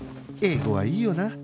英語はいいよな